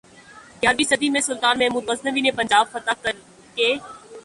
گیارہویں صدی میں سلطان محمود غزنوی نے پنجاب فتح کرک